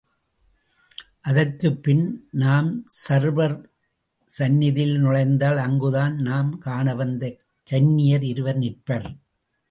அதற்குப் பின் நாம் சரபர் சந்நிதியில் நுழைந்தால் அங்குதான் நாம் காணவந்த கன்னியர் இருவர் நிற்பர்.